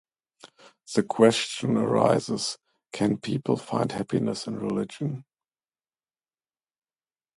The question arises, can people find happiness in religion?